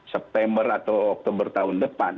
september atau oktober tahun depan